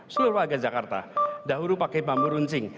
seluruh warga jakarta dahulu pakai bambu runcing